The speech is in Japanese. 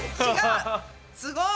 すごい！